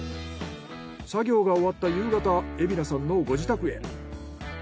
作業が終わった夕方海老名さんのご自宅へ。